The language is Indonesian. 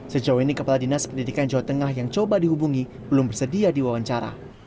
sejauh ini kepala dinas pendidikan jawa tengah yang coba dihubungi belum bersedia diwawancara